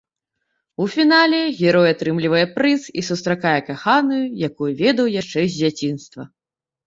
У фінале герой атрымлівае прыз і сустракае каханую, якую ведаў яшчэ з дзяцінства.